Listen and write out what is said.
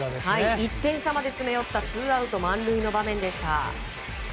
１点差まで詰め寄ったツーアウト満塁の場面でした。